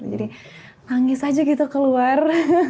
jadi nangis aja gitu keluar